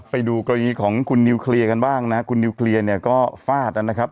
ไปดูกรณีของคุณนิวเคลียร์กันบ้างนะคุณนิวเคลียร์เนี่ยก็ฟาดนะครับ